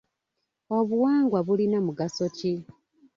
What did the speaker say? Obuwangwa bulina mugaso ki?